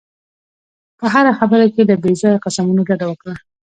په هره خبره کې له بې ځایه قسمونو ډډه وکړه.